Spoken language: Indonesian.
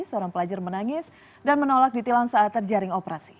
seorang pelajar menangis dan menolak ditilang saat terjaring operasi